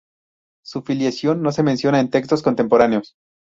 Su filiación no se menciona en textos contemporáneos.